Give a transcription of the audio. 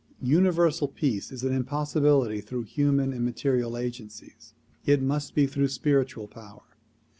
Universal Peace is an impossibility through human and material agencies; it must be through spiritual power.